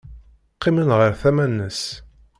Qqimen ɣer tama-nnes.